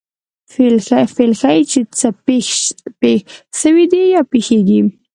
فعل ښيي، چي څه پېښ سوي دي یا پېښېږي.